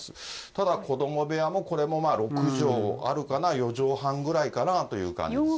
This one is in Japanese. ただ、子ども部屋も、これも６畳あるかな、４畳半ぐらいかなという感じですね。